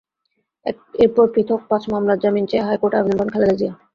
এরপর পৃথক পাঁচ মামলায় জামিন চেয়ে হাইকোর্টে আবেদন করেন খালেদা জিয়া।